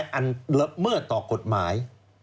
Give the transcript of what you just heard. ละเมื่อต่อกฎหมาย